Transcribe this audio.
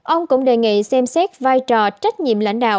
ông cũng đề nghị xem xét vai trò trách nhiệm lãnh đạo